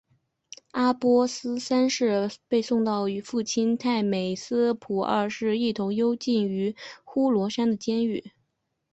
阿拔斯三世被送到与父亲太美斯普二世一同幽禁于呼罗珊的监狱。